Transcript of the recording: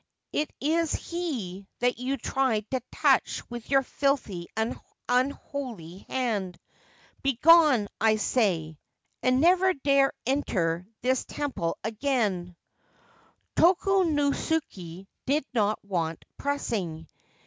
It is he that you tried to touch with your filthy and unholy hand. Begone, 1 say, and never dare enter this temple again !' Tokunosuke did not want pressing.